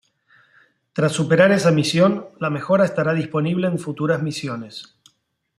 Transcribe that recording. Tras superar esa misión la mejora estará disponible en futuras misiones.